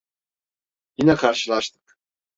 Yine karşılaştık.